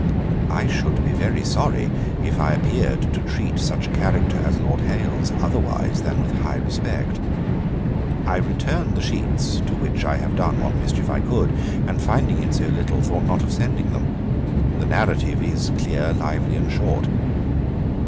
'I should be very sorry if I appeared to treat such a character as Lord Hailes otherwise than with high respect. I return the sheets, to which I have done what mischief I could; and finding it so little, thought not much of sending them. The narrative is clear, lively, and short.